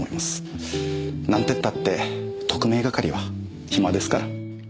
なんてったって特命係は暇ですから。